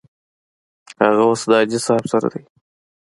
هغه اوس د حاجي صاحب سره دی.